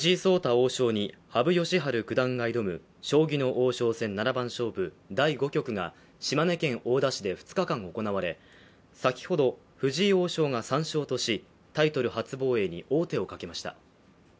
王将に羽生善治九段が挑む将棋の王将戦七番勝負第５局が島根県大田市で２日間行われ、先ほど藤井王将が３勝とし、タイトル初防衛に王手をかけました。